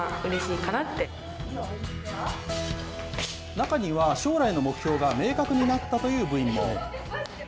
中には、将来の目標が明確になったという部員も。